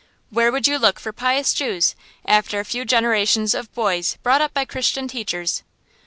Where would you look for pious Jews, after a few generations of boys brought up by Christian teachers?